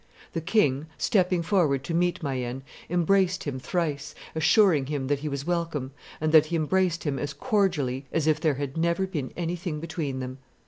"The king, stepping forward to meet Mayenne, embraced him thrice, assuring him that he was welcome, and that he embraced him as cordially as if there had never been anything between them.